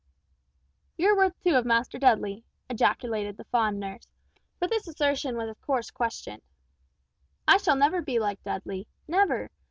"You're worth two of Master Dudley!" ejaculated the fond nurse, but this assertion was of course questioned. "I shall never be like Dudley, never!